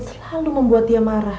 selalu membuat dia marah